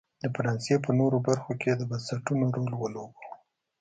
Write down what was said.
د فرانسې په نورو برخو کې یې د بنسټونو رول ولوباوه.